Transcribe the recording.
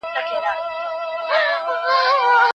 خو ډير ګران دی جانان